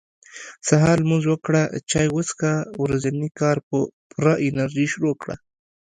سهار لمونځ وکړه چاي وڅښه ورځني کار په پوره انرژي شروع کړه